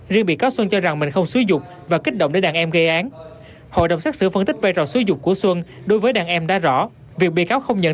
riêng bị cáo xuân cho rằng mình không xúi dục và kích động để đàn em gây án